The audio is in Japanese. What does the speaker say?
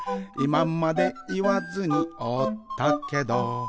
「いままでいわずにおったけど」